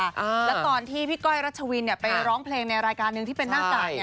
แล้วตอนที่พี่ก้อยรัชวินไปร้องเพลงในรายการหนึ่งที่เป็นหน้ากาก